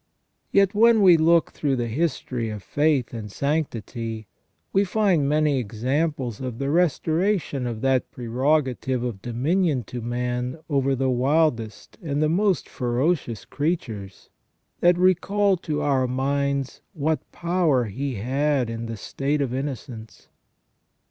Yet when we look through the history of faith and sanctity, we find many examples of the restoration of that prerogative of dominion to man over the wildest and the most ferocious creatures, that recall to our minds what power he had in the state of innocence.